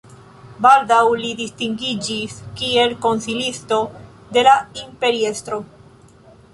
Baldaŭ li distingiĝis kiel konsilisto de la imperiestro.